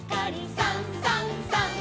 「さんさんさん」